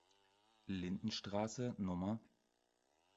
Lindenstraße Nr.